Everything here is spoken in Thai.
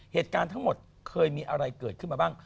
เหตุการณ์ทั้งหมดเคยมีอะไรเกิดขึ้นมาบ้าง